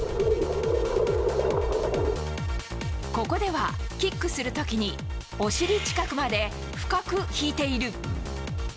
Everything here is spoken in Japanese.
ここではキックする時にお尻近くまで深く引いている。